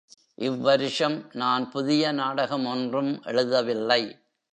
இவ் வருஷம் நான் புதிய நாடகம் ஒன்றும் எழுதவில்லை.